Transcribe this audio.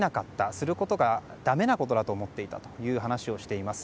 することが、だめなことだと思っていたという話をしています。